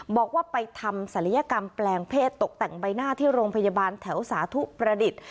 บอกว่าไปทำศัลยกรรมแปลงเพศตกแต่งใบหน้าที่โรงพยาบาลแถวสาธุประดิษฐ์